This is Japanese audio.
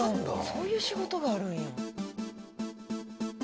そういう仕事があるんや。